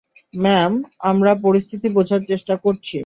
Ma'am, আমরা পরিস্থিতি বোঝার চেষ্টা করছি।